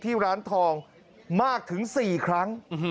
ที่ร้านทองมากถึง๔ครั้ง